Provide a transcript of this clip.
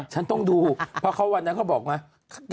ฉันต้องดูเพราะเขาวันนั้นเขาบอกไหม